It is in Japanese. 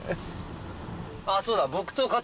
あっそうだ。